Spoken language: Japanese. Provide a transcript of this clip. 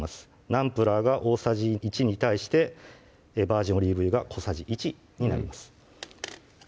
ナンプラーが大さじ１に対してバージンオリーブ油が小さじ１になります